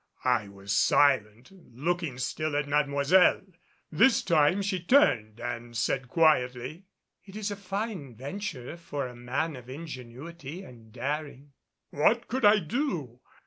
I was silent, looking still at Mademoiselle. This time she turned and said quietly, "It is a fine venture for a man of ingenuity and daring." What could I do?